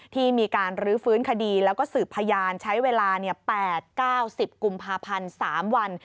ที่มีการรื้อฟื้นคดีแล้วก็สืบพยานใช้เวลา๘๙๐กุมภาพันธ์๓วัน